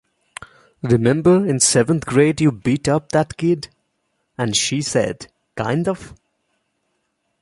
Remember in seventh grade you beat up that kid?' And she said, 'Kind of'.